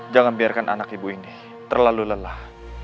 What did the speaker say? jangan biarkan anak ibu ini terlalu lelah